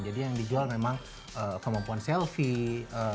jadi yang dijual memang kemampuan selfie